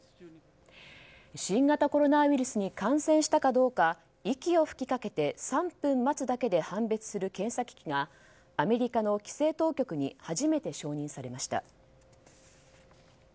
新型コロナウイルスに感染したかどうか息を吹きかけて３分待つだけで判別する検査機器がアメリカの規制当局に初めて承認されました。